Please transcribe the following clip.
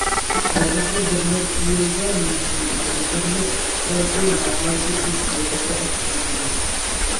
ئالدىنقى بىرنەچچە يىلدا مىسىرنىڭ ئىقتىسادى ناھايىتى تېز سۈرئەتتە ئاشقان ئىدى.